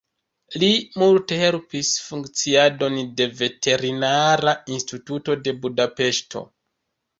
Li multe helpis funkciadon de Veterinara Instituto de Budapeŝto.